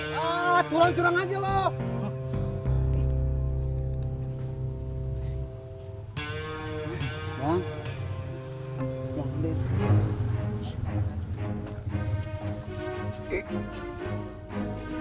yah curang curang aja lo